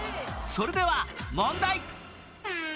それでは問題